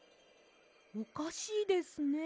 おかしいですね。